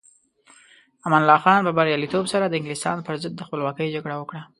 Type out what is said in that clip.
امان الله خان په بریالیتوب سره د انګلستان پر ضد د خپلواکۍ جګړه وکړه.